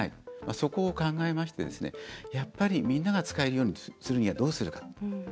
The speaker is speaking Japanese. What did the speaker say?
そこを考えまして、やっぱりみんなが使えるようにするにはどうするか。